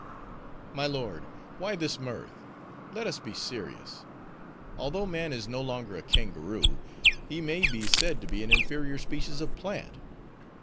"My lord, why this mirth? Let us be serious. Although man is no longer a kangaroo, he may be said to be an inferior species of plant.